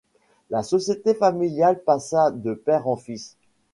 La société familiale passa de père en fils.